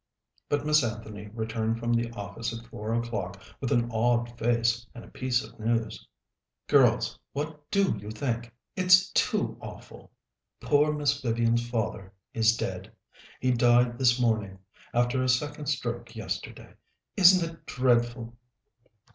But Miss Anthony returned from the office at four o'clock with an awed face and a piece of news. "Girls, what do you think? It's too awful poor Miss Vivian's father is dead. He died this morning, after a second stroke yesterday. Isn't it dreadful?"